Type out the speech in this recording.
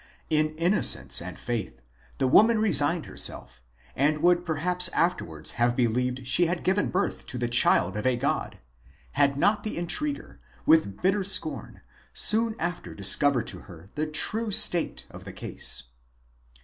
In innocence and faith, the woman re signed herself, and would perhaps afterwards have believed she had given birth to the child of a god, had not the intriguer, with bitter scorn, soon after dis covered to her the true state of the case.